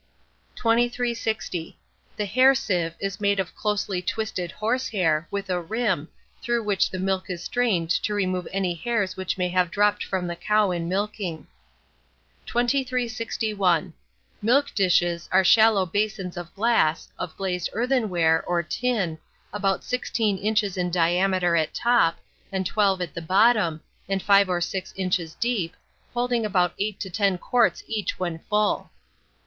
2360. The Hair Sieve is made of closely twisted horse hair, with a rim, through which the milk is strained to remove any hairs which may have dropped from the cow in milking. 2361. Milk Dishes are shallow basins of glass, of glazed earthenware, or tin, about 16 inches in diameter at top, and 12 at the bottom, and 5 or 6 inches deep, holding about 8 to 10 quarts each when full.